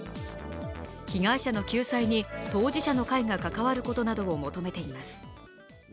被害者の救済に当事者の会が関わることなどを求めています。